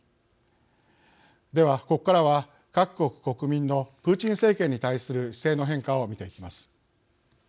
では、ここからは各国国民のプーチン政権に対する姿勢の変化を見ていきます。